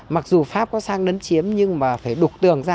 mặc dù pháp có sang đấn chiếm nhưng mà phải đục tượng ra